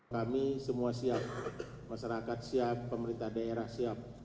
kami semua siap masyarakat siap pemerintah daerah siap